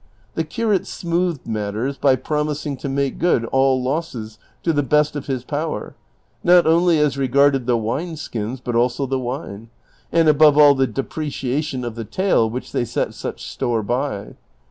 The curate smoothed matters by promising to make good all losses to the best of his power, not only as regarded the wine skins but also the wine, and above all the depreciation of the tail which they set such store by.